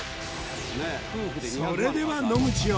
それでは野口よ